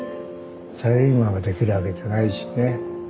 サラリーマンができるわけじゃないしね。